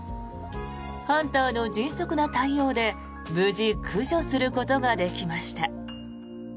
ハンターの迅速な対応で無事駆除することができました。